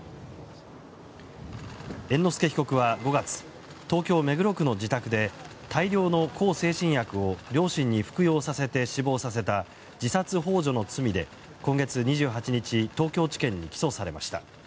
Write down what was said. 猿之助被告は５月東京・目黒区の自宅で大量の向精神薬を両親に服用させて死亡させた、自殺幇助の罪で今月２８日東京地検に起訴されました。